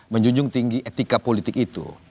menjunjung tinggi etika politik itu